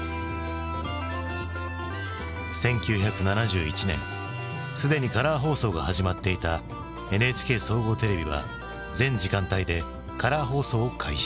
１９７１年すでにカラー放送が始まっていたＮＨＫ総合テレビは全時間帯でカラー放送を開始。